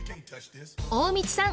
大道さん